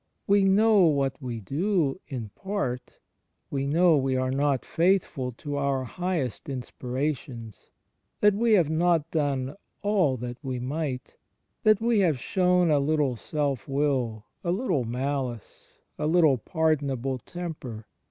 We "know what we do,'' in part: we know we are not faithful to our highest inspirations, that we have not done all that we might, that we have shown a little self will, a little malice, a little pardonable temper.